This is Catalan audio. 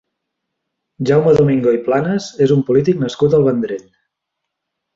Jaume Domingo i Planas és un polític nascut al Vendrell.